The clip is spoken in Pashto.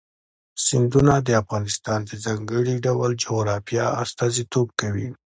سیندونه د افغانستان د ځانګړي ډول جغرافیه استازیتوب کوي.